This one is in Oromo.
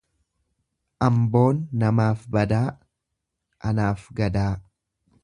Amboon namaaf badaa, anaaf gadaa.